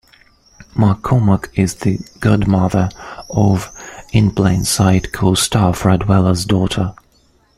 McCormack is the godmother of "In Plain Sight" co-star Fred Weller's daughter.